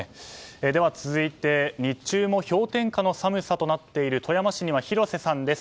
では、続いて日中も氷点下の寒さとなっている富山市には広瀬さんです。